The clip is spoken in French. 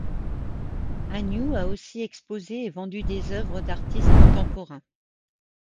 Agnew a aussi exposé et vendu des œuvres d'artistes contemporains.